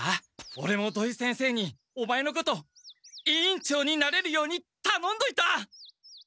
オレも土井先生にオマエのこと委員長になれるようにたのんどいた！